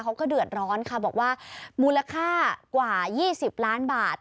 เขาก็เดือดร้อนค่ะบอกว่ามูลค่ากว่า๒๐ล้านบาท